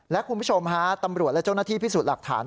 และคุณผู้ชมฮะตำรวจและเจ้าหน้าที่พิสูจน์หลักฐาน